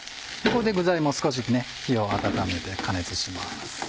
ここで具材も少しね火を温めて加熱します。